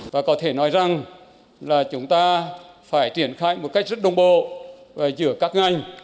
và có thể nói rằng là chúng ta phải triển khai một cách rất đồng bộ và giữa các ngành